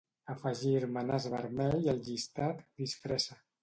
Afegir-me nas vermell al llistat "disfressa".